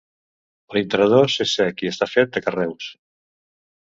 L'intradós és cec i està fet de carreus.